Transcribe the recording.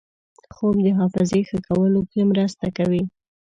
خوب د حافظې ښه کولو کې مرسته کوي